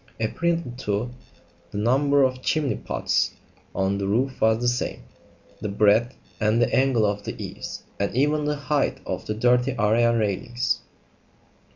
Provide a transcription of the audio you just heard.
Apparently, too, the number of chimney pots on the roof was the same; the breadth and angle of the eaves; and even the height of the dirty area railings.